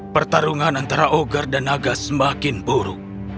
pertarungan antara ogar dan naga semakin buruk